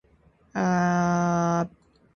Menggantang asap